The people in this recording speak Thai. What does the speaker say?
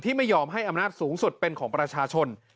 ไม่ยอมให้อำนาจสูงสุดเป็นของประชาชน